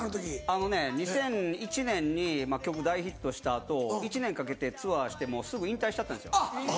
あのね２００１年に曲大ヒットした後１年かけてツアーしてすぐ引退しちゃったんですよ。